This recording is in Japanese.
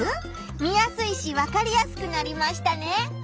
見やすいしわかりやすくなりましたね。